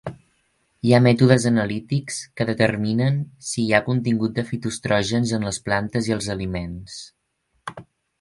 Hi ha mètodes analítics que determinen si hi ha contingut de fitoestrògens en les plantes i els aliments.